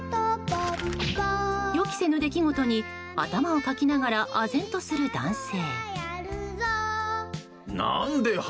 予期せぬ出来事に頭をかきながらあぜんとする男性。